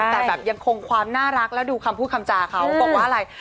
ก็คงความน่ารักแล้วดูคำพูดคำจาเขาบอกว่าอะไร